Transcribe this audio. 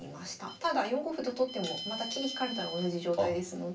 ただ４五歩と取ってもまた金引かれたら同じ状態ですので。